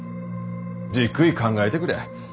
じっくり考えてくれ。